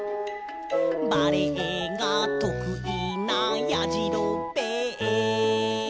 「バレエがとくいなやじろべえ」